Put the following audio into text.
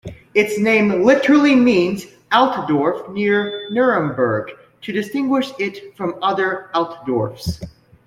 Its name literally means "Altdorf near Nuremberg", to distinguish it from other Altdorfs.